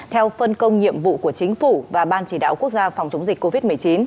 theo phân công nhiệm vụ của chính phủ và ban chỉ đạo quốc gia phòng chống dịch covid một mươi chín